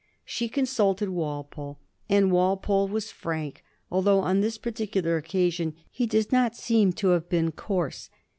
She consulted Walpole, and Walpole was frank, although on this particular occasion he does not seem to have been coarse.